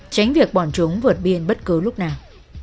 tránh việc bọn chúng vượt biên bất cứ lúc nào